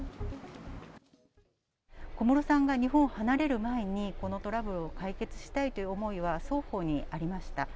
小室さんが日本を離れる前に、このトラブルを解決したいという思いは双方にありました。